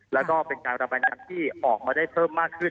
แล้วก็เป็นการระบายน้ำที่ออกมาได้เพิ่มมากขึ้น